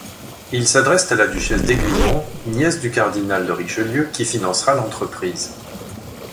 Ils s’adressent à la duchesse d’Aiguillon, nièce du cardinal de Richelieu, qui financera l’entreprise.